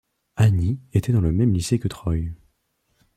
Annie était dans le même lycée que Troy.